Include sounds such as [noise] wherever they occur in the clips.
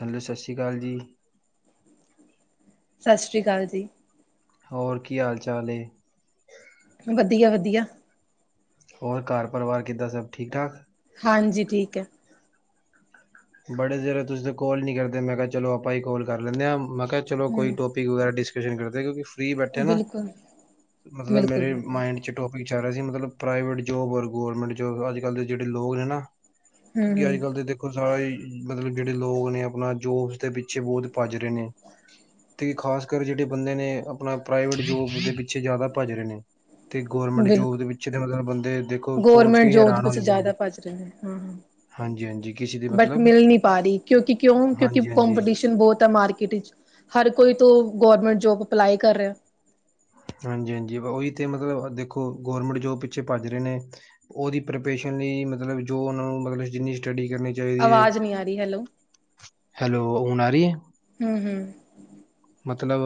Hello ਸਤਿ ਸ਼੍ਰੀ ਅਕਾਲ ਜੀ। ਸਤਿ ਸ਼੍ਰੀ ਅਕਾਲ ਜੀ। ਹੋਰ ਕੀ ਹਾਲ ਚਾਲ ਏ? ਵਧੀਆ-ਵਧੀਆ, ਹੋਰ ਘਰ ਪਰਿਵਾਰ ਕਿੱਦਾਂ ਸਭ ਠੀਕ-ਠਾਕ? ਹਾਂਜੀ ਠੀਕ ਐ। ਬੜੇ ਚਿਰ ਤੁਸੀਂ ਕੋਲ ਨੀ ਕਰਦੇ ਮੈਂ ਕਿਹਾ, ਚਲੋ ਆਪਾਂ ਹੀ ਕੋਲ ਕਰ ਲੈਂਨੈ ਆ ਮੈਂ ਕਿਹਾ ਚਲੋ ਕੋਈ ਹਮ ਟੋਪ [unintelligible] ਕਿਉਕਿ ਫ੍ਰੀ ਬੈਠੇ ਨਾ ਬਿਲਕੁਲ ਮਤਲਬ ਬਿਲਕੁਲ ਮੇਰੇ ਬਿਲਕੁਲ ਮਾਈਡ ਚ ਟੋਪਿਕ ਆ ਰਿਹਾ ਸੀ ਮਤਲਬ ਪ੍ਰਾਈਵੇਟ ਜੋਬ ਔਰ ਗੌਰਮੈਂਟ ਜੋਬ ਅੱਜ-ਕੱਲ ਦੇ ਜਿਹੜੇ ਲੋਕ ਨੇ ਨਾ ਹਮ ਹਮ [inaudible] ਹਾਂ ਈ ਮਤਲਬ ਜਿਹੜੇ ਲੋਕ ਨੇ ਆਪਣਾ ਜੋਬਸ ਦੇ ਪਿੱਛੇ ਬਹੁਤ ਭੱਜ ਰਹੇ ਨੇ। ਤੇ ਖਾਸ ਕਰ ਜਿਹੜੇ ਬੰਦੇ ਨੇ ਆਪਣਾ ਪ੍ਰਾਈਵੇਟ ਜੋਬ ਦੇ ਪਿੱਛੇ ਜ਼ਿਆਦਾ ਭੱਜ ਰਹੇ ਨੇ। ਤੇ ਗਵਰਮੈਂਟ ਜੋਬ ਬਿਲਕੁਲ ਦੇ ਪਿੱਛੇ ਮਤਲਬ ਬੰਦੇ ਦੇਖੋ ਸੋਚ ਕੇ ਗੌਰਮੈਂਟ ਹੀ ਜੋਬ ਦੇ ਹੈਰਾਨ ਹੋ ਪਿੱਛੇ ਜਾਂਦੇ ਨੇ। ਜ਼ਿਆਦਾ ਭੱਜ ਰਹੇ ਨੇ ਹਾਂ ਹਾਂ ਹਾਂਜੀ-ਹਾਂਜੀ ਕਿਸੇ ਦੀ ਬਟ ਮਤਲਬ ਮਿਲ ਨਹੀਂ ਪਾ ਰੀ ਕਿਉਂਕਿ ਕਿਉਂ-ਕਿਉਂਕਿ ਹਾਂਜੀ-ਹਾਂਜੀ। ਕਪੀਟੀਸ਼ਨ ਬਹੁਤ ਐ ਮਾਰਕੀਟ ਚ ਹਰ ਕੋਈ ਤੋਂ ਗੌਰਮੈਂਟ ਜੋਬ ਅਪਲਾਈ ਕਰ ਰਿਆ। ਹਾਂਜੀ-ਹਾਂਜੀ ਉਹੀ ਤਾਂ ਮਤਲਬ ਦੇਖੋ ਗੌਰਮੈਂਟ ਜੋਬ ਪਿੱਛੇ ਭੱਜ ਰਹੇ ਨੇ। ਉਹਦੀ ਪ੍ਰਪਰੇਸ਼ਨ ਲਈ ਮਤਲਬ ਜੋ ਉਹਨਾਂ ਨੂੰ ਮਤਲਬ ਜਿੰਨੀ ਸਟੱਡੀ ਕਰਨੀ ਚਾਹੀਦੀ ਐ, ਆਵਾਜ਼ ਨਹੀਂ ਆ ਰਹੀ ਹੈਲੋ ਹੈਲੋ ਹੁਣ ਆ ਰੀ ਐ। ਹਮ ਹਮ ਮਤਲਬ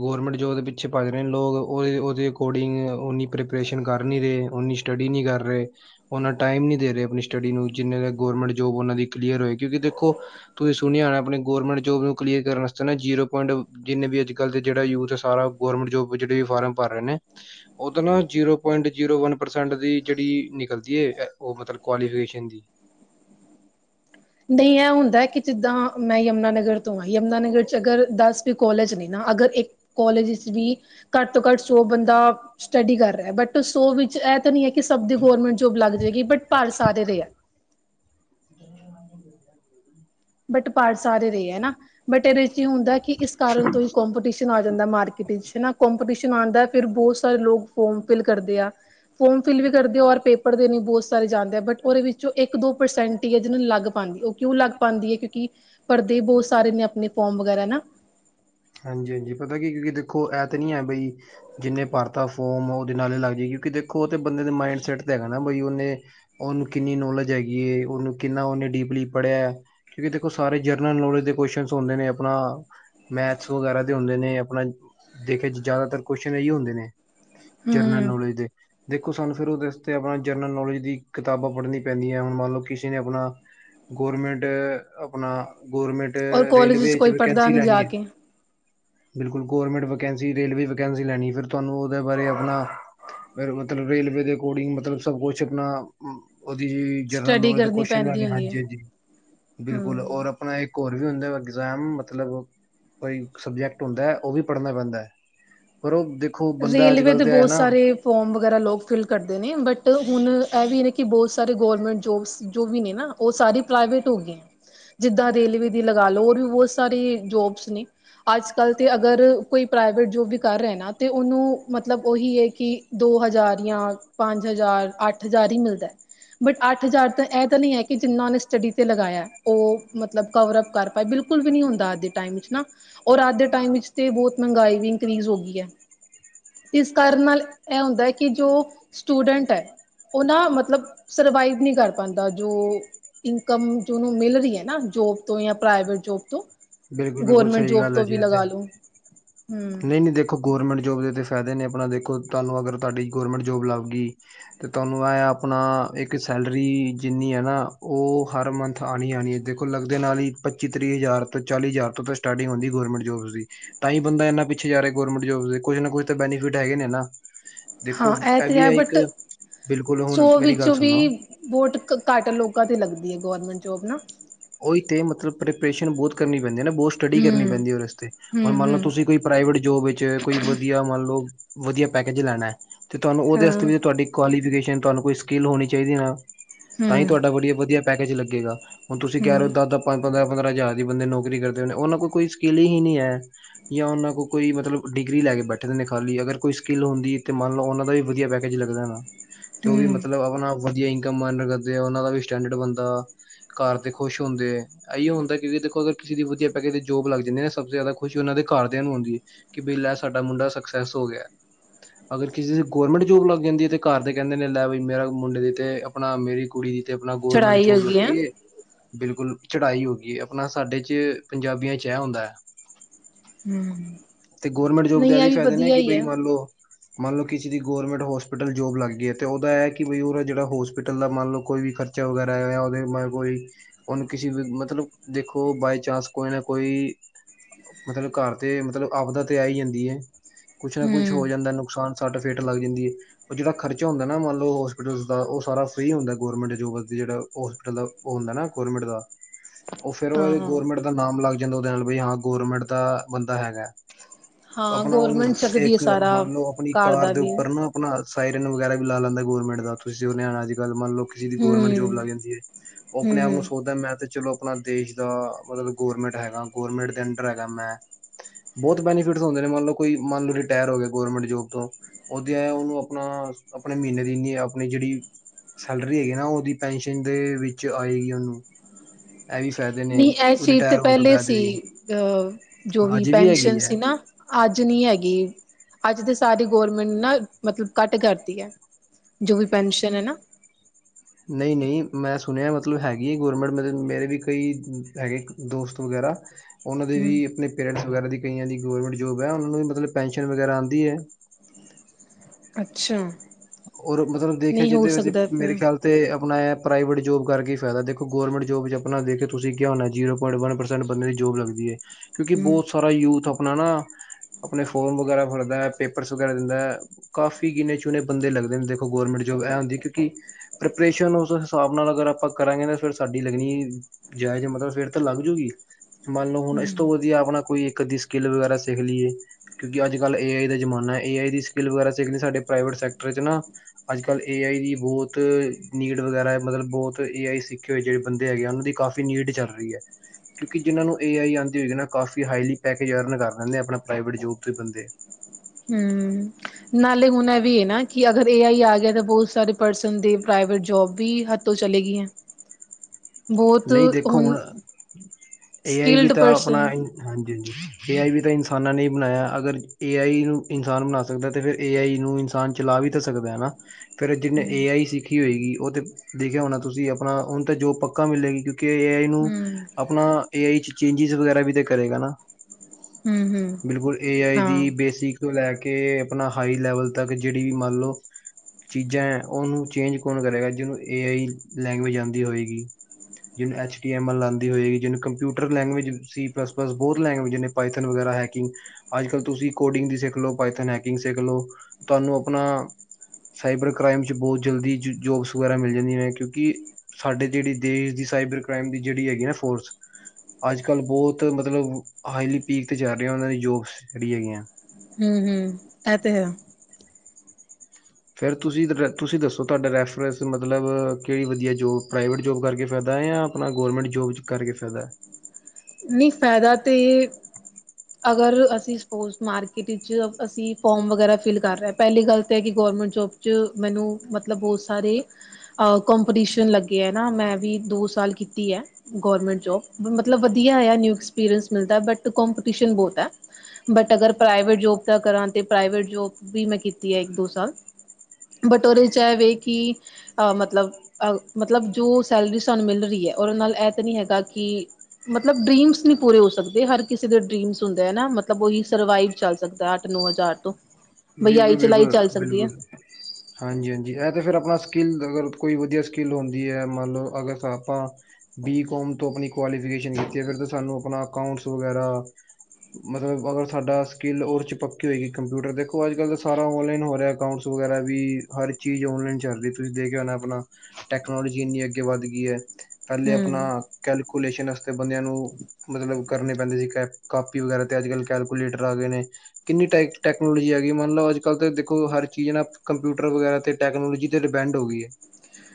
ਗੌਰਮੈਂਟ ਜੋਬ ਦੇ ਪਿੱਛੇ ਭੱਜ ਰਹੇ ਨੇ ਲੋਕ ਉਹਦੇ-ਉਹਦੇ ਅਕੋਡਿੰਗ ਉਨੀ ਪ੍ਰੀਪਰੇਸ਼ਨ ਕਰਨੀ ਨਹੀਂ ਰਹੇ ਉੱਨੀ ਉਨੀ ਸਟੱਡੀ ਨੀ ਕਰ ਰਹੇ ਉਹਨਾ ਟਾਈਮ ਨੀ ਦੇ ਰਹੇ ਆਪਣੀ ਸਟੱਡੀ ਨੂੰ ਜਿੰਨੇ ਦਾ ਗੌਰਮੈਂਟ ਜੋਬ ਉਹਨਾਂ ਦੀ ਕਲੀਅਰ ਹੋਏ ਕਿਉਂਕਿ ਦੇਖੋ ਤੁਸੀਂ ਸੁਣਿਆ ਹੋਣਾ ਆਪਣੇ ਗਵਰਮੈਂਟ ਜੋਬ ਨੂੰ ਕਲੀਅਰ ਕਰਨ ਵਾਸਤੇ ਨਾ ਜੀਰੋ ਪੁਆਇੰਟ ਜਿੰਨੇ ਵੀ ਅੱਜ ਕਲ੍ਹ ਦਾ ਜਿਹੜਾ ਯੂਥ ਹੈ ਸਾਰਾ ਗਰਮੈਂਟ ਜੋਬ ਦੇ ਜਿਹੜੇ ਵੀ ਫਾਰਮ ਭਰ ਰਹੇ ਨੇ। ਉਹ ਤਾਂ ਨਾ zero point zero one percent ਦੀ ਜਿਹੜੀ ਨਿਕਲਦੀ ਹੈ। ਉਹ ਮਤਲਬ ਕੁਆ ਦੀ ਨਹੀਂ ਇਹ ਹੁੰਦਾ ਕਿ ਜਿੱਦਾਂ ਮੈਂ ਯਮੁਨਾ ਨਗਰ ਤੋਂ ਆ ਯਮੁਨਾ ਨਗਰ ਚ ਅਗਰ ਦਸ ਤੇ ਕੋਲਜ ਨੇ ਨਾ ਅਗਰ ਇੱਕ ਕੋਲਜ ਵਿੱਚ ਵੀ ਘੱਟ ਤੋਂ ਘੱਟ ਸੌ ਬੰਦਾ ਸਟੱਡੀ ਕਰ ਰਿਹਾ ਬਟ ਸੋ ਵਿੱਚ ਇਹ ਤਾਂ ਨਹੀ ਹੈ ਕਿ ਸਭ ਦੀ ਗਵਰਮੈਂਟ ਜੋਬ ਲੱਗ ਜਾਏਗੀ ਬਟ ਭਰ ਸਾਰੇ ਰਹੇ ਹੈ ਬਟ ਭਰ ਸਾਰੇ ਰਹੇ ਆ ਨਾ ਬਟ ਇਹਦੇ ਵਿੱਚ ਇਹ ਹੁੰਦਾ ਨਾ ਕਿ ਇਸ ਕਾਰਨ ਤੋਂ ਕਪਟੀਸ਼ਨ ਆ ਜਾਂਦਾ ਮਾਰਕੀਟ ਵਿੱਚ ਹੈ ਨਾ ਕੋਂਪੀਟੀਸ਼ਨ ਆਂਦਾ ਫਿਰ ਬਹੁਤ ਸਾਰੇ ਲੋਕ ਫੋਰਮ ਫਿਲ ਕਰਦੇ ਆ ਫੋਰਮ ਫਿਲ ਵੀ ਕਰਦੇ ਹੋ ਔਰ ਪੇਪਰ ਦੇਨ ਬਹੁਤ ਸਾਰੇ ਜਾਂਦੇ ਆ ਬਟ ਉਹਦੇ ਵਿੱਚੋਂ ਇੱਕ ਦੋ ਪਰਸੈਂਟ ਨੂੰ ਲੱਗ ਪਾਉਂਦੀ ਉਹ ਕਿਉਂ ਲੱਗ ਪਾਉਂਦੀ ਹੈ ਕਿਉਕਿ ਭਰਦੇ ਬਹੁਤ ਸਾਰੇ ਨੇ ਆਪਣੇ ਫੋਰਮ ਵਗੈਰਾ ਨਾ ਹਾਂਜੀ ਹਾਂਜੀ ਪਤਾ ਕੀ ਕਿਉਂਕਿ ਦੇਖੋ ਇਹ ਤਾਂ ਨਹੀਂ ਹੈ ਬਈ ਜਿੰਨੇ ਭਰ ਤਾ ਫੋਮ ਉਹਦੇ ਨਾਲ ਹੀ ਲੱਗ ਜਾਈਏ ਕਿਉਂਕਿ ਦੇਖੋ ਤਾਂ ਬੰਦੇ ਦੇ ਮਾਇੰਡ ਸੈੱਟ ਤੇ ਹੈਗਾ ਨਾ ਬਈ ਉਹਨੇ ਉਹਨੂੰ ਕਿੰਨੀ ਨੌਲੇਜ ਹੈਗੀ ਏ ਉਹਨੂੰ ਕਿੰਨਾ ਉਹਨੇ ਡੀਪਲੀ ਪੜ੍ਹਿਆ। ਕਿਉਂਕਿ ਦੇਖੋ ਸਾਰੇ ਜਰਨਲ ਨੌਲੇਜ ਦੇ ਕੁਸਚਨ ਹੁੰਦੇ ਨੇ ਆਪਣਾ ਮੈਥ ਵਗੈਰਾ ਦੇ ਹੁੰਦੇ ਨੇ ਆਪਣਾ ਦੇਖਿਆ ਜ਼ਿਆਦਾਤਰ ਕੁਸ਼ਚਨ ਇਹੀ ਹੁੰਦੇ ਨੇ। ਜਨਰਲ ਹਮ ਨੌਲੇਜ ਦੇ ਦੇਖੋ ਸਾਨੂੰ ਫਿਰ ਉਹਦੇ ਉਤੇ ਆਪਣਾ ਜਨਰਲ ਨੌਲੇਜ ਦੀ ਕਿਤਾਬਾਂ ਪੜ੍ਹਨੀ ਪੈਂਦੀਆਂ ਹੁਣ ਮੰਨ ਲਓ ਕਿਸੇ ਨੇ ਆਪਣਾ ਗਰਮੈਂਟ ਆਪਣਾ ਗੌਰਮੈਂਟ ਔਰ ਕਾਲਜ ਵਿੱਚ ਰੇਲਵੇ ਚ ਕੋਈ ਪੜ੍ਹਦਾ ਵੈਕੈਂਸੀ ਨਹੀਂ ਲੈਣੀ ਜਾ ਹੈ। ਕੇ ਬਿਲਕੁਲ ਗੌਰਮੈਂਟ ਵੈਕੈਂਸੀ ਰੇਲਵੇ ਵੈਕੈਂਸੀ ਲੈਣੀ ਫਿਰ ਤੁਹਾਨੂੰ ਉਹਦੇ ਬਾਰੇ ਆਪਣਾ ਫਿਰ ਮਤਲਬ ਰੇਲਵੇ ਦੇ ਅਕੋਰਡਿੰਗ ਮਤਲਬ ਸਭ ਕੁਛ ਆਪਣਾ ਉਹਦੀ ਜਰਨਲ ਸਟੱਡੀ ਨੌਲੇਜ ਦੇ ਕਰਨੀ ਕੁਸ਼ਚਨ ਪੈਂਦੀ ਲੈਣੇ ਹੁੰਦੀ ਹੈ ਹਾਂਜੀ ਹਾਂਜੀ ਬਿਲਕੁਲ ਹਮ ਔਰ ਆਪਣਾ ਇੱਕ ਹੋਰ ਵੀ ਹੁੰਦਾ ਇਗਜ਼ਾਮ ਮਤਲਬ ਕੋਈ ਇਕ ਸਬਜੈਕਟ ਹੁੰਦਾ ਉਹ ਵੀ ਪੜ੍ਹਨਾ ਪੈਂਦਾ ਪਰ ਉਹ ਦੇਖੋ ਬੰਦਾ ਅੱਜ ਰੇਲਵੇ ਕੱਲ੍ਹ ਦੇ ਤੇ ਹੈ ਬਹੁਤ ਨਾ ਸਾਰੇ ਫੋਮ ਵਗੈਰਾ ਲੋਕ ਫਿਲ ਕਰਦੇ ਨੇ ਬਟ ਹੁਣ ਇਹ ਵੀ ਨੇ ਕਿ ਬਹੁਤ ਸਾਰੇ ਗੌਰਮੈਂਟ ਜੋਬਸ ਜੋ ਵੀ ਨੇ ਨਾ ਉਹ ਸਾਰੇ ਪ੍ਰਾਈਵੇਟ ਹੋ ਗਈ ਜਿੱਦਾਂ ਰੇਲਵੇ ਦੀ ਲਗਾ ਲਓ ਹੋਰ ਵੀ ਬਹੁਤ ਸਾਰੇ ਜੋਬਸ ਨੇ ਅੱਜ ਕੱਲ੍ਹ ਤਾਂ ਅਗਰ ਕੋਈ ਪ੍ਰਾਈਵੇਟ ਜੋਬ ਵੀ ਕਰ ਰਿਹਾ ਨਾ ਅਤੇ ਉਹਨੂੰ ਮਤਲਬ ਉਹੀ ਹੈ ਕਿ ਦੋ ਹਜ਼ਾਰ ਜਾਂ ਪੰਜ ਹਜ਼ਾਰ ਅੱਠ ਹਜ਼ਾਰ ਹੀ ਮਿਲਦਾ। ਬਟ ਅੱਠ ਹਜ਼ਾਰ ਤਾਂ ਇਹ ਤਾਂ ਨਹੀਂ ਹੈ ਕਿ ਜਿੰਨਾਂ ਉਹਨੇ ਸਟੱਡੀ ਤੇ ਲਗਾਇਆ ਉਹ ਮਤਲਬ ਕਵਰ ਅਪ ਕਰ ਪਾਏ ਬਿਲਕੁਲ ਵੀ ਨੀ ਹੁੰਦਾ ਅੱਜ ਦੇ ਟਾਈਮ ਵਿੱਚ ਨਾ ਔਰ ਅੱਜ ਦੇ ਟਾਈਮ ਵਿੱਚ ਤੇ ਬਹੁਤ ਮਹਿੰਗਾਈ ਵੀ ਇਨਕਰੀਜ਼ ਹੋ ਗਈ ਹੈ। ਤੇ ਕਾਰਨ ਨਾਲ ਇਹ ਹੁੰਦਾ ਹੈ ਕਿ ਜੋ ਸਟੂਡੈਂਟ ਹੈ। ਉਹ ਨਾ ਮਤਲਬ ਸਰਵਾਈਵ ਨਹੀਂ ਕਰ ਪਾਉਦਾ ਜੋ ਇਨਕਮ ਜੋ ਉਹਨੂੰ ਮਿਲ ਰਹੀ ਹੈ ਨਾ ਜੋਬ ਤੋਂ ਜਾਂ ਪ੍ਰਾਈਵੇਟ ਜੋਬ ਤੋਂ ਬਿਲਕੁਲ ਬਿਲਕੁਲ ਗੌਰਮੈਂਟ ਸਹੀ ਜੋਬ ਗੱਲ ਹੈ ਤੋਂ ਜੀ ਵੀ ਇਹ ਤੇ ਲਗਾ ਲਉ। ਨਹੀਂ ਨਹੀਂ ਦੇਖੋ ਗੌਰਮੈਂਟ ਜੋਬ ਦੇ ਤਾਂ ਫਾਇਦੇ ਨੇ ਆਪਣਾ ਦੇਖੋ ਤੁਹਾਨੂੰ ਅਗਰ ਤੁਹਾਡੀ ਗੌਰਮੈਂਟ ਜੋਬ ਲੱਭ ਗਈ। ਅਤੇ ਤੁਹਾਨੂੰ ਐ ਆਪਣਾ ਇੱਕ ਸੈਲਰੀ ਜਿੰਨੀ ਹੈ ਨਾ ਉਹ ਹਰ ਮੰਥ ਆਣੀ ਆਣੀ ਹੈ ਦੇਖੋ ਲੱਗਦੇ ਨਾਲ ਹੀ ਪੱਚੀ ਤੀਹ ਹਜ਼ਾਰ ਤੋਂ ਚਾਲੀ ਹਜ਼ਾਰ ਤੋਂ ਤਾਂ ਸਟਾਰਟਿੰਗ ਹੁੰਦੀ ਗੌਰਮੈਂਟ ਜੋਬਸ ਦੀ ਤਾਂ ਹੀ ਬੰਦਾ ਇਨਾ ਪਿੱਛੇ ਜਾ ਰਿਹਾ ਗੌਰਮੈਂਟ ਜੋਬ ਦੇ ਕੋਈ ਨਾ ਕੋਈ ਤਾਂ ਬੈਨੀਫਿਟ ਹੈਗੇ ਨੇ ਨਾ ਦੇਖੋ ਹਾਂ ਇਹ ਤੇ ਵੀ ਹੈ ਇੱਕ ਬਟ ਬਿਲਕੁਲ ਹੁਣ ਮੇਰੀ ਗੱਲ ਸੁਣੋ। ਬੌਟ ਕ ਘੱਟ ਲੋਕਾਂ ਤੇ ਲੱਗਦੀ ਐ ਗੌਰਮੈਂਟ ਜੋਬ ਨਾ। ਓਈ ਤੇ ਮਤਲਬ ਪ੍ਰੀਪਰੇਸ਼ਨ ਬੌਤ ਕਰਨੀ ਪੈਂਦੀ ਐ ਨਾ ਬੌਤ ਸਟੱਡੀ ਕਰਨੀ ਹਮ ਪੈਂਦੀ ਐ ਔਰ ਇਸ ਤੇ ਔਰ ਹਮ ਮੰਨ ਲਓ ਹਮ ਤੁਸੀਂ ਕੋਈ ਪ੍ਰਾਈਵੇਟ ਜੋਬ ਵਿੱਚ ਕੋਈ ਵਧੀਆ ਮੰਨ ਲੋ ਵਧੀਆ ਪੈਕੇਜ ਲੈਣਾ ਐ ਤੇ ਤਾਨੂੰ ਓਦੇ ਵਾਸਤੇ ਹਾਂ ਵੀ ਤੁਆਡੀ ਕੁਆਲੀਫਿਕੇਸ਼ਨ ਤੁਆਨੂੰ ਕੋਈ ਸਕਿੱਲ ਹੋਣੀ ਚਾਈਦੀ ਨਾ ਤਾਂ ਈ ਹਮ ਤੁਆਡਾ ਵਧੀਆ ਵਧੀਆ ਪੈਕੇਜ ਲੱਗੇਗਾ। ਹੁਣ ਤੁਸੀਂ ਕਹਿ ਰੇ ਓ ਹਮ ਦਾਅ ਦਾਅ ਪੰਨ ਪੰਦਰਾਂ ਪੰਦਰਾਂ ਹਜ਼ਾਰ ਦੀ ਬੰਦੇ ਨੌਕਰੀ ਕਰਦੇ ਨੇ ਓਨਾਂ ਕੋਲ ਕੋਈ ਸਕਿੱਲ ਹੀ ਨੀ ਐ। ਯਾਂ ਓਨਾਂ ਕੋ ਕੋਈ ਮਤਲਬ ਡਿਗਰੀ ਲੈ ਕੇ ਬੈਠੇ ਰੈਂਦੇ ਖਾਲੀ ਅਗਰ ਕੋਈ ਸਕਿੱਲ ਹੋਂਦੀ ਤੇ ਮੰਨ ਲੋ ਓਨਾਂ ਦਾ ਵੀ ਵਧੀਆ ਬੈ ਲੱਗਦਾ ਨਾ ਤੇ ਓ ਵੀ ਹਮ ਮਤਲਬ ਆਪਣਾ ਵਧੀਆ ਇਨਕਮ ਅਰਨ ਕਰਦੇ ਓਨਾ ਦਾ ਵੀ ਸਟੈਂਡਰਡ ਬਣਦਾ ਘਰ ਦੇ ਖੁਸ਼ ਹੋਂਦੇ। ਏਈਓ ਹੁੰਦਾ ਕਿ ਦੇਖੋ ਅਗਰ ਕਿਸੇ ਦੀ ਵਧੀਆ ਪੈਕੇਜ ਜੋਬ ਲੱਗ ਜਾਂਦੀ ਨੇ ਸਭ ਸੇ ਜਾਦਾ ਖੁਸ਼ ਓਨਾਂ ਦੇ ਘਰਦਿਆਂ ਨੂੰ ਹੋਂਦੀ ਏ। ਕਿ ਬੇਲੈ ਸਾਡਾ ਮੁੰਡਾ ਸਕਸੈਸ ਹੋ ਗਿਐ। ਅਗਰ ਕਿਸੇ ਦੀ ਗੌਰਮੈਂਟ ਜੋਬ ਲੱਗ ਜਾਂਦੀ ਐ ਤੇ ਘਰ ਤੇ ਕੈਂਦੇ ਨੇ ਲੈ ਬਈ ਮੇਰਾ ਮੁੰਡੇ ਦੀ ਤੇ ਆਪਣਾ ਮੇਰੀ ਕੁੜੀ ਤੇ ਆਪਣਾ ਗੋਰਮੈਂਟ ਚੜਾਈ ਜੋਬ ਹੈਗੀ ਹੈ ਲੱਗੀ ਏ ਬਿਲਕੁਲ ਚੜਾਈ ਹੋ ਗੀ ਆਪਣਾ ਸਾਡੇ ਚ ਪੰਜਾਬੀਆਂ ਚ ਐ ਹੁੰਦਾ ਐ। ਤੇ ਗੌਰਮੈਂਟ ਜੋਬ ਦੇ ਐ ਨਹੀਂ ਇਹ ਵੀ ਫਾਇਦੇ ਨੇ ਵਧੀਆ ਕਿ ਹੀ ਬਈ ਹੈ ਮੰਨ ਲਓ। ਮੰਨ ਲਓ ਕਿਸੇ ਦੀ ਗੌਰਮੈਂਟ ਹੋਸਪਿਟਲ ਜੋਬ ਲੱਗ ਗਈ ਐ ਤੇ ਓਦਾ ਐ ਕਿ ਵੀ ਓਦਾ ਜੇੜਾ ਹੋਸਪਿਟਲ ਦਾ ਮੰਨ ਲਓ ਕੋਈ ਵੀ ਖਰ ਚਾ ਵਗੈਰਾ ਜਾਂ ਓਦੇ ਮਲਬਈ ਉਨ ਕਿਸੇ ਵੀ ਮਤਲਬ, ਦੇਖੋ ਬਾਈ ਚਾਂਸ ਕੋਈ ਨਾ ਕੋਈ ਮਤਲਬ ਘੱਰ ਤੇ, ਮਤਲਬ ਆਪਦਾ ਤੇ ਆ ਈ ਜਾਂਦੀ ਏ, ਕੁਛ ਨਾ ਕੁਛ ਹੋ ਹਮ ਜਾਂਦਾ ਨੁਕਸਾਨ। ਸੱਟ ਫੇਟ ਲੱਗ ਜਾਂਦੀ ਏ। ਓ ਜੇੜਾ ਖਰਚਾ ਹੁੰਦਾ ਨਾ, ਮੰਨ ਲੋ ਹੋਸਪਿਟਲ ਦਾ ਓ ਸਾਰਾ ਫਰੀ ਹੁੰਦੈ, ਗੌਰਮੈਂਟ ਜੋਬ ਤੇ ਜੇੜਾ ਹੋਸਪਿਟਲ ਦਾ। ਓ ਹੁੰਦਾ ਨਾ ਗੌਰਮੈਂਟ ਦਾ, ਓ ਫੇਰ ਹਾਂ ਓਦੇ ਹਾਂ ਗੌਰਮੈਂਟ ਨਾਮ ਲੱਗ ਜਾਂਦੈ ਓਦੇ ਨਾਲ ਬਈ ਹਾਂ ਗੌਰਮੈਂਟ ਦਾ ਬੰਦਾ ਹੈਗੈ। ਹਾਂ ਅਪਨਾ ਉਨੂੰ ਗੌਰਮੈਂਟ ਚੱਕਦੀ ਹੈ ਏਕ ਸਾਰਾ ਮੰਨ ਲੋ ਆਪਣੀ ਕਾਰ ਦਾ ਦੇ ਵੀ ਉੱਪਰ ਨਾ ਅਪਨਾ ਸਾਯਰਨ ਵਗੈਰਾ ਵੀ ਲਾ ਲੈਂਦੈ ਗੌਰਮੈਂਟ ਦਾ, ਤੁਸੀ ਹੁਨ [unintelligible] ਹਰਯਾਨਾ ਦੀ ਗੱਲ ਮੰਨ ਲੋ, ਕਿਸੇ ਦੀ ਗੌਰਮੈਂਟ ਹਮ ਜੋਬ ਲੱਗ ਜਾਂਦੀ ਏ। ਓ ਹਮ ਅਪਨੇ ਆਪ ਨੂੰ ਹਮ ਸੋਚਦੈ, ਮੈਂ ਤੇ ਚਲੋ ਅਪਨਾ ਦੇਸ਼ ਦਾ, ਮਲਬ ਗੌਰਮੈਂਟ ਹੈਗਾਂ, ਗੌਰਮੈਂਟ ਦੇ ਅੰਡਰ ਹੈਗਾਂ ਮੈਂ ਬੋਤ ਬੈਨੀਫਿਟਸ ਹੁੰਦੇ ਨੇ, ਮੰਨ ਲੋ, ਕੋਈ ਮੰਨ ਲੋ ਰਿਟੈਰ ਹੋਗੇ ਗੌਰਮੈਂਟ ਜੋਬ ਤੋ ਓਦੇ ਐ ਓਨੂੰ ਅਪਣਾ, ਆਪਣੇ ਮੀਨੇ ਦੀ ਇਨੀ ਆਪਣੀ ਜੇੜੀ ਸੈਲਰੀ ਹੈਗੀ ਏ ਨਾ, ਓਦੀ ਪੈਨਸ਼ਨ ਦੇ ਵਿੱਚ ਆਏਗੀ ਓਨੂੰ ਐ ਵੀ ਫੈਦੇ ਨੀ ਐ ਚੀਜ਼ ਤੇ ਪੈਲੇ ਸੀ ਅ ਜੋ ਵੀ ਹਜੇ ਪੈਨਸ਼ਨ ਹੈਗੀ ਹੈ ਸੀ ਨਾ ਅੱਜ ਨੀ ਹੈਗੀ, ਅੱਜ ਦੇ ਸਾਰੀ ਗੌਰਮੈਂਟ ਨਾਲ ਮਤਲ ਕੱਟ ਕਰਤੀ ਐ। [inaudible] ਨਈ, ਨਈ ਮੈਂ ਸੁਨਿਆ ਮਤਲਬ ਹੈਗੀ ਏ ਗੌਰਮੈਂਟ ਮੇਰੇ, ਮੇਰੇ ਵੀ ਕਈ ਹੈਗੇ ਦੋਸਤ ਵਗੈਰਾ। ਓਨਾਂ ਦੇ ਵੀ ਹਮ ਅਪਨੇ ਪੇਰੈਂਟਸ ਵਗੈਰਾ ਦੀ ਕਈਆਂ ਦੀ ਗੌਰਮੈਂਟ ਜੋਬ ਐ, ਉਨਾਂ ਨੂੰ ਮਤਲਬ ਪੈਨਸ਼ਨ ਵਗੈਰਾ ਆਂਦੀ ਐ। ਅੱਛਾ। ਔਰ ਮਤਲਬ ਦੇਖਿਆ ਨਹੀਂ ਜਾਏ ਹੋ ਤੇ ਵੈਸੇ ਸਕਦਾ ਫਿਰ ਮੇਰੇ ਖਿਆਲ ਤੇ ਅਪਨਾ ਐ ਪ੍ਰਾਈਵੇਟ ਜੋਬ ਕਰਕੇ ਈ ਫੈਦਾ ਦੇਖੋ ਗੌਰਮੈਂਟ ਜੋਬ ਚ ਅਪਨਾ ਦੇਖਕੇ ਤੁਸੀਂ ਕੇਆ ਹੋਨੈ ਜ਼ੀਰੋ ਪੁਆਇੰਟ ਵਨ ਪਰਸੈਂ [unintelligible] ਬੰਦੇ ਦੀ ਜੋਬ ਲੱਗਦੀ ਏ, ਕਿਉਂਕਿ ਹਮ ਬੋਤ ਸਾਰਾ ਯੂਥ ਅਪਨਾ ਨਾ ਅਪਨੇ ਫੋਰਮ ਵਗੈਰਾ ਭਰਦੈ, ਪੇਪਰਸ ਵਗੈਰਾ ਦਿੰਦੈ, ਕਾਫੀ ਗਿਨੇ ਚੁਨੇ ਬੰਦੇ ਲੱਗਦੇ ਜਿਨ ਦੇਖੋ ਗੌਰਮੈਂਟ ਜੋਬ ਐ ਹੁੰਦੀ ਕਿਉਂਕਿ ਪ੍ਰਿਪਰੇਸ਼ਨ ਉਸ ਹਿਸਾਬ ਨਾਲ ਅਗਰ ਆਪਾਂ ਕਰਾਂਗੇ ਨਾ ਫਿਰ ਸਾਡੀ ਲੱਗਨੀ ਜਾਏਜ ਏ ਮਤਲਬ ਫੇਰ ਤਾ ਲੱਗ ਜੁਗੀ, ਮੰਨ ਲੋ ਹੁਨ ਇਸ ਤੋ ਹਮ ਵਦੀਆ ਆਪਨਾ ਕੋਈ ਇੱਕ ਅੱਧੀ ਸ ਕਿਲ ਵਗੈਰਾ ਸੇਖ ਲੀਏ। ਕਿਓਂਕਿ ਕਿ ਅੱਜ-ਕੱਲ ਏ ਆਈ ਦਾ ਜਮਾਨੈ, ਏ ਆਈ ਦੀ ਸਕਿੱਲ ਵਗੈਰਾ ਸਿਖ ਲੀ, ਸਾਡੇ ਪ੍ਰਾਈਵੇਟ ਸੈਕਟਰ ਚ ਨਾ ਅੱਜ-ਕੱਲ ਏ ਆਈ ਦੀ ਬੋਤ ਨੀਡ ਵਗੈਰੈ ਮਤਲਬ ਬੋਤ ਏ ਆਈ ਸਿਖ ਦੇਖੇ ਹੋਏ ਜੇ ਬੰਦੇ ਹੈਗੇ, ਓਨਾਂ ਦੀ ਕਾਫ਼ੀ ਨੀਡ ਚੱਲ ਰਿ ਐ। ਕਿਯੁਕਿ ਜਿਨਾਂ ਨੂੰ ਏ ਆਈ ਆਂਦੀ ਹੋਏਗੀ ਨਾ, ਕਾਫੀ ਹਾਈਲੀ ਪੈਕੇਜ ਅਰਨ ਕਰ ਲੈਂਦੇ ਅਪਨਾ ਪ੍ਰਾਈਵੇਟ ਜੋਬ ਦੇ ਬੰਦੇ। ਹਮ-ਮ। ਨਾਲੇ ਹੁਨ ਐਵੀ ਏਨਾ ਕਿ ਅਗਰ ਏ ਆਈ ਆ ਗਯਾ, ਤਾ ਬੋਤ ਸਾਰੇ ਪਰਸਨ ਦੇ ਪ੍ਰਾਈਵੇਟ ਜੋਬ ਵੀ ਹ ਤੋ ਚਲੇ ਗਿਐਂ। ਨਈ, ਦੇਖੋ ਹੁਣ ਏ ਆਈ ਵੀ ਸਕਿਲਡ ਤਾ ਅਪਨਾ ਪਰਸਨ ਏ ਹਾਂਜੀ-ਹਾਂਜੀ ਏ ਆਈ ਵੀ ਤਾ ਇਨਸਾਨਾਂ ਨੇ ਈ ਬਨਾਯਾ, ਅਗਰ ਏ ਆਈ ਨੂੰ ਇਨਸਾਨ ਬਨਾ ਸਕਦਾ, ਤੇ ਫੇਰ ਏ ਆਈ ਨੂੰ ਇਨਸਾਨ ਚਲਾ ਵੀ ਤੇ ਸਕਦਾ ਏ ਨਾ। ਫੇਰ ਜਿਨੇ ਹਮ ਏ ਆਈ ਸਿੱਖੀ ਹੋਏਗੀ, ਓ ਤੇ ਦੇਖਯਾ ਹੋਣਾ ਚਾਹੀਦਾ ਤੁਸੀ ਅਪਨਾ ਓਨੂੰ ਤੇ ਜੋਬ ਪ ਪੱਕਾ ਮਿਲੇਗੀ ਕਯੁਕਿ ਏ ਆਈ ਨੂੰ ਹਮ ਅਪਨਾ, ਏ ਆਈ'ਚ ਚੇਂਜਿਸ ਵਗੈਰਾ ਵੀ ਤੇ ਕਰੇਗਾ ਨਾ ਹਮ ਹਮ ਬਿਲਕੁਲ, ਏ ਆਈ ਦੀ ਹਾਂ ਬੇਸਿ ਤੋ ਲੈਕੇ ਅਪਨਾ ਹਾਈ ਲੈਵਲ ਤੱਕ, ਜੇੜੀ ਵੀ ਮੰਨ ਲੋ ਚੀਜ਼ਾਂ ਓਨੂੰ ਚੇਂਜ ਕੌਣ ਕਰੇਗਾ, ਜਿਨੂੰ ਏ ਆਈ ਲੈਂਗਵੇਜ ਆਂਦੀ ਹੋਏਗੀ। ਜਿਨੂੰ ਐਚ ਟੀ ਐਮ ਐਲ ਆਂਦੀ ਹੋਏਗੀ, ਜਿਨੂੰ ਕੰਪੂਟਰ ਲੈਂਗਵੇਜ ਸੀ ਪਲੱਸ-ਪਲੱਸ, ਬੋਤ ਲੈਂਗਵੇਜ ਨੇ ਪਾਈਥਨ ਵਗੈਰਾ ਹੈਕਿੰਗ ਅੱਜ-ਕੱਲ ਤੁਸੀ ਕੋਡਿੰਗ ਸਿੱਖ ਲੋ, ਪਾਈਥਨ ਹੈਕਿੰਗ ਸਿੱਖ ਲੋ, ਤਾਨੂੰ ਅਪਨਾ ਸਾਈਬਰ ਕ੍ਰਾਈਮ 'ਚ ਬੋਤ ਜਲਦੀ ਜੋ-ਜੋਬਸ ਵਗੈਰਾ ਮਿਲ ਜਾਂਦੀਆਂ ਨੇ, ਕਿਉਕਿ ਸਾਡੇ ਜੇੜੇ ਦੇਸ਼ ਦੀ ਸਾਈਬਰ ਕ੍ਰਾਈਮ ਦੀ ਜੇੜੀ ਹੈਗੀ ਨਾ ਫੋਰਸ ਅੱਜ-ਕੱਲ ਬੋਤ ਮਤਲਬ ਹਾਈਲੀ ਪੀਕ ਤੇ ਜਾ ਰਿਆਂ ਓਨਾਂ ਦੀ ਜੋਬਸ ਜੇੜੀ ਹੈਗੀਆਂ। ਹਮ- ਹਮ ਐ ਤੇ ਹੈ। ਫੇਰ ਤੁਸੀ, ਤੁਸੀ ਦੱਸੋ ਤੋਆਡਾ ਰੈਫਰੈਂਸ ਮਤਲਬ ਕੇੜੀ ਵਦੀਆ ਜੋਬ ਪ੍ਰਾਈਵੇਟ ਜੋਬ ਕਰਕੇ ਫਾਯਦਾ ਏ ਯਾਂ ਅਪਨਾ ਗੌਰਮੈਂਟ ਜੋਬ 'ਚ ਕਾਰਕੇ ਫੈਦਾ ਐ। ਨਈ ਫੈਦਾ ਤੇ ਅਗਰ ਅਸੀਂ ਸਪੋਸ ਮਾਰਕੀਟ ਵਿੱਚ ਅਸੀਂ ਫੋਮ ਵਗੈਰਾ ਫਿਲ ਕਰ ਰੇ ਪਹਿਲੀ ਗੱਲ ਤੇ ਕਿ ਗੌਰਮੈਂਟ ਜੋਬ 'ਚ ਮੈਨੂੰ ਮਤਲਬ ਬੋਤ ਸਾਰੇ ਅ ਕੋਮਪਟੀਸ਼ਨ ਲੱਗੇ ਐ ਨਾ ਮੈਂ ਵੀ ਦੋ ਸਾਲ ਕੀਤੀ ਐ। ਗੌਰਮੇਂਟ ਜੋਬ ਮੱਤਲਬ ਵਧੀਆ ਐ। ਨਿਊ ਐਕਸਪ੍ਰਿੰਸ ਮਿਲਦਾ ਏ ਬਟ ਕੋਮਪਟੀਸ਼ਨ ਬੋਤ ਐ। ਬਟ ਅਗਰ ਪ੍ਰਾਈਵੇਟ ਜੋਬ ਦਾ ਕਰਾਂ ਤੇ ਪ੍ਰਾਈਵੇਟ ਜੋਬ ਵੀ ਮੈਂ ਕੀਤੀ ਐ ਇੱਕ ਦੋ ਸਾਲ। ਬਟ ਔਦੇ ਵਿਚ ਐ ਵੇ ਕਿ ਅ ਮਤਲਬ ਅ ਮਤਲਬ ਜੋ ਸੈਲਰੀ ਸਾਨੂੰ ਮਿਲ ਰੀ ਐ ਉਦੇ ਨਾਲ ਐ ਤੇ ਨੀ ਹੈਗਾ ਕਿ ਮਤਲਬ ਡਰੀਮਸ ਨੀ ਪੂਰੇ ਹੋ ਸਕਦੇ ਹਰ ਕਿਸੇ ਡਰੀਮਸ ਹੁੰਦੇ ਆ ਨਾ ਮਤਲਬ ਉਹੀ ਸਰਵਾਈਵ ਚੱਲ ਸਕਦਾ ਏ ਅੱਠ-ਨੋ ਹਜ਼ਾਰ ਤੋ। ਬਈ ਆਈ ਚਲਾਈ ਚੱਲ ਸਕਦੀ ਏ। [inaudible] ਹਾਂਜੀ-ਹਾਂਜੀ, ਐ ਤਾਂ ਫਿਰ ਆਪਣਾ ਸਕਿੱਲ ਅਗਰ ਕੋਈ ਵਧੀਆ ਸਕਿੱਲ ਹੁੰਦੀ ਹੈ, ਮੰਨ ਲਓ ਅਗਰ ਆਪਾਂ ਬੀ-ਕੋੌਮ ਤੋਂ ਆਪਣੀ ਕੁਆਲੀਫਿਕੇਸ਼ਨ ਕੀਤੀ ਏ ਫਿਰ ਤਾਂ ਸਾਨੂੰ ਆਪਣਾ ਅਕਾਊਂਟਸ ਵਗੈਰਾ ਮਤਲਬ ਅਗਰ ਸਾਡਾ ਸਕਿੱਲ ਉਹ 'ਚ ਪੱਕੀ ਹੋਏਗੀ ਕੰਪਿਊਟਰ ਦੇਖੋ ਅੱਜ ਕੱਲ੍ਹ ਸਾਰਾ ਔਨਲਾਈਨ ਹੋ ਰਿਆ। ਅਕਾਊਂਟਸ ਵਗੈਰਾ ਵੀ ਹਰ ਚੀਜ਼ ਔਨਲਾਈਨ ਚੱਲ ਰੀ ਤੁਸੀਂ ਦੇਖੀਆਂ ਹੋਨਾ ਆਪਣਾ ਟੈਕਨੋਲੋਜੀ ਇੰਨੀ ਅੱਗੇ ਵੱਧ ਗਈ ਏ ਪਹਿਲੇ ਆਪਣਾ ਹਮ ਕੈਲਕੂਲੇਸ਼ਨ ਵਾਸਤੇ ਬੰਦਿਆਂ ਨੂੰ ਮਤਲਬ ਕਰਨੇ ਪੈਂਦੇ ਸੀ ਕੈ ਕਾਪੀ ਵਗੈਰਾ ਤੇ ਅੱਜ ਕੱਲ੍ਹ ਕੈਲਕੂਲੇਟਰ ਆ ਗਏ ਨੇ। ਕਿੰਨੀ ਟਾਇਟ ਟੈਕਨੋਲੋਜੀ ਆਗੀ ਮੰਨ ਲਓ ਅੱਜ ਕੱਲ ਤੱਕ ਦੇਖੋ ਹਰ ਚੀਜ਼ ਨਾ ਕੰਪਿਊਟਰ ਵਗੈਰਾ ਤੇ ਟੈਕਨੋਲੋਜੀ ਤੇ ਡਿਪੈਂਡ ਹੋ ਗਈ ਏ।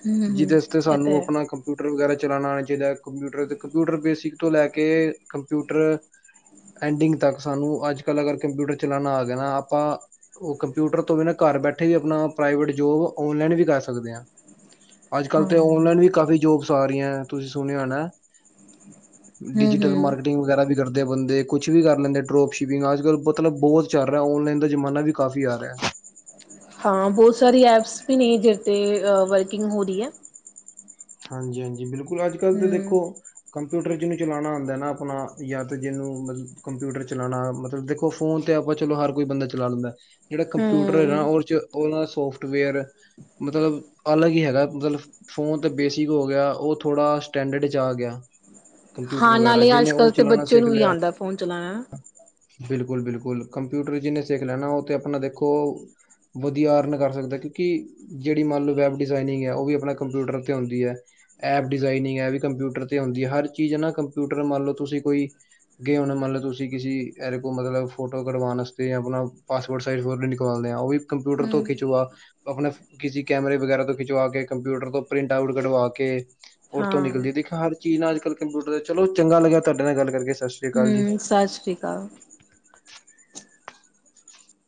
ਹਮ ਜਿਦੇ ਹਮ ਅਸਤੇ ਇਹ ਤੇ ਸਾਨੂੰ ਹੈ ਆਪਣਾ ਕਪ ਕੰਪਿਊਟਰ ਵਗੈਰਾ ਚਲਾਣਾ ਆਣਾ ਚਾਈਦਾ ਕੰਪਿਊਟਰ, ਕੰਪਿਊਟਰ ਬੇਸਿਕ ਤੋਂ ਲੈ ਕੇ ਕੰਪਿਊਟਰ ਐਂਡਿੰਗ ਤੱਕ ਸਾਨੂੰ ਅੱਜ ਕੱਲ੍ਹ ਅਗਰ ਕੰਪਿਊਟਰ ਚਲਾਣਾ ਆ ਗਿਆ ਨਾ ਆਪਾਂ ਔ ਕੰਪਿਊਟਰ ਤੋਂ ਬਿਨਾਂ ਘਰ ਬੈਠੇ ਵੀ ਆਪਣਾ ਪ੍ਰਾਈਵੇਟ ਜੋਬ ਔਨਲੈਨ ਵੀ ਕਰ ਸਕਦੇ ਆਂ। ਅੱਜ ਕੱਲ੍ਹ ਹਾਂ ਤੇ ਹਮ ਔਨਲਾਈਨ ਵੀ ਕਾਫ਼ੀ ਜੋਬਸ ਆ ਰਹੀਆਂ ਤੁਸੀਂ ਸੁਣਿਆ ਹੋਣਾ? ਡਿਜੀਟਲ ਹਮ ਮਾਰਕੀਟਿੰਗ ਵਗੈਰਾ ਵੀ ਕਰਦੇ ਆ ਬੰਦੇ ਕੁਛ ਵੀ ਕਰ ਲੈਂਦੇ ਡਰੋਪ ਸ਼ਿਪਿੰਗ ਅੱਜ ਕੱਲ੍ਹ ਮਤਲਬ ਬਹੁਤ ਚੱਲ ਰਿਹਾ ਔਨਲਾਈਨ ਦਾ ਜ਼ਮਾਨਾ ਵੀ ਕਾਫ਼ੀ ਆ ਰਿਹਾ। ਹਾਂ ਬਹੁਤ ਸਾਰੀ ਐਪਸ ਵੀ ਨੇ ਜਿਤੇ ਵਰਕਿੰਗ ਹੋ ਰਹੀ ਹੈ। ਹਾਂਜੀ-ਹਾਂਜੀ ਬਿਲਕੁਲ ਅੱਜ ਕੱਲ ਤੇ ਹਮ ਦੇਖੋ ਕੰਪਿਊਟਰ ਜਿਨੂੰ ਚਲਾਣਾ ਆੁੰਦਾ ਨਾ ਆਪਣਾ ਯਾ ਤੇ ਜਿਨੂੰ ਮਤਲਬ ਕੰਪਿਊਟਰ ਚਲਾਉਣਾ ਮਤਲਬ ਦੇਖੋ ਫੋਨ ਤੇ ਆਪਾਂ ਚਲੋ ਹਰ ਕੋਈ ਬੰਦਾ ਚਲਾ ਲੈਂਦਾ। ਜੇੜਾ ਕੰਪਿਊਟਰ ਏ ਨਾ ਹਮ ਉਦੇ 'ਚ ਉਹ ਲਾ ਸੋਫਟਵੇਅਰ ਮਤਲਬ ਅਲੱਗ ਹੀ ਹੈਗਾ ਮਤਲਬ ਫ਼ੋਨ ਤੇ ਬੇਸਿਕ ਹੋ ਗਿਆ ਉਹ ਥੋੜ੍ਹਾ ਸਟੈਂਡਰਡ 'ਚ ਆ ਗਯਾ। ਕੰਪਿਊਟਰ ਹਾਂ ਵਗੈਰਾ ਨਾਲੇ ਜਿਨੇ ਅੱਜ ਉਹ ਕੱਲ੍ਹ ਤੇ ਚਲਾਉਣਾ ਬੱਚੇ ਸਿੱਖ ਲਯਾ [unintelligible] ਫੋਨ ਚਲਾਣਾ ਬਿਲਕੁਲ ਬਿਲਕੁਲ ਕੰਪਿਊਟਰ ਜਿਨੇ ਸਿੱਖ ਲੈਣਾ ਉਹ ਤੇ ਆਪਣਾ ਦੇਖੋ ਵਧੀਆ ਅਰਨ ਕਰ ਸਕਦਾ ਕਿਉਂਕਿ ਜੇੜੀ ਮੰਨ ਲਓ ਵੈੱਬ ਡਿਜ਼ਾਇਨਿੰਗ ਹੈ ਉਹ ਵੀ ਆਪਣਾ ਕੰਪਿਊਟਰ 'ਤੇ ਹੁੰਦੀ ਹੈ। ਐਪ ਡਿਜ਼ਾਇਨਿੰਗ ਐ ਵੀ ਕੰਪਿਊਟਰ 'ਤੇ ਹੁੰਦੀ ਹੈ ਹਰ ਚੀਜ਼ ਨਾ ਕੰਪਿਊਟਰ ਮੰਨ ਲਓ ਤੁਸੀਂ ਕੋਈ ਗਏ ਔ ਨਾ ਮਾਣ ਲੋ ਤੁਸੀ ਤੁਸੀਂ ਕਿਸੀ ਅਹਦੇ ਕੋਲ ਮਤਲਬ ਫੋਟੋ ਕਢਵਾਣ ਆਸਤੇ ਆਪਣਾ ਪਾਸਪੋਰਟ ਸਾਈਜ਼ ਫੋਟੋ ਨਿਕਲਦੇ ਆਂ ਉਹ ਵੀ ਕੰਪਿਊਟਰ ਤੋਂ ਹਮ ਖਿਚਵਾ ਆਪਣੇ ਕਿਸੀ ਕੈਮਰੇ ਵਗੈਰਾ ਤੋਂ ਖਿਚਵਾ ਕੇ ਕੰਪਿਊਟਰ ਤੋਂ ਪ੍ਰਿੰਟ ਆਊਟ ਕਰਵਾ ਕੇ, ਓਹਦੇ ਤੋਂ ਹਾਂ ਨਿਕਲਦੀ ਦੇਖ ਹਰ ਚੀਜ਼ ਅੱਜ ਕੱਲ ਕੰਪਿਊਟਰ ਚਲੋ ਚੰਗਾ ਲੱਗਿਆ ਤੁਵਾਡੇ ਨਾਲ ਗੱਲ ਕਰਕੇ ਸ ਹੁੰ ਸਤਿ ਸ਼੍ਰੀ ਅਕਾਲ।